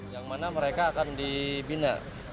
yang mana mereka akan dibina